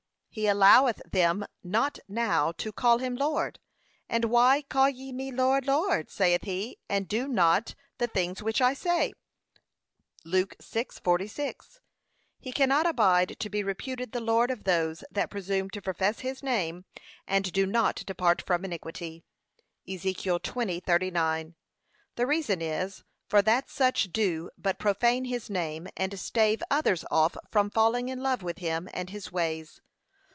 He alloweth them not now to call him Lord. 'And why call ye me Lord, Lord,' saith he, 'and do not, the things which I say?' (Luke 6:46) He cannot abide to be reputed the Lord of those that presume to profess his name, and do not depart from iniquity. (Ezek. 20:39) The reason is, for that such do but profane his name, and stave others off from falling in love with him and his ways.